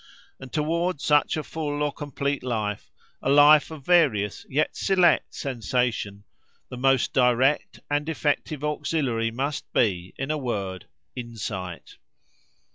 And towards such a full or complete life, a life of various yet select sensation, the most direct and effective auxiliary must be, in a word, Insight.